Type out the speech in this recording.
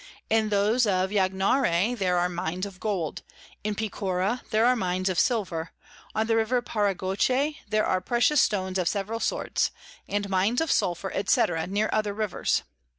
In those of Yagnare there are Mines of Gold; in Picora there are Mines of Silver; on the River Paragoche there are precious Stones of several sorts; and Mines of Sulphur, &c. near other Rivers.